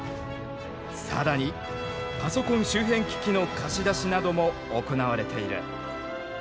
更にパソコン周辺機器の貸し出しなども行われている。